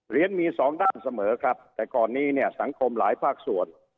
มีสองด้านเสมอครับแต่ก่อนนี้เนี่ยสังคมหลายภาคส่วน